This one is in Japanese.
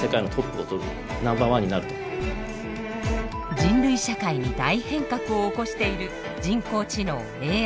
人類社会に大変革を起こしている人工知能ＡＩ。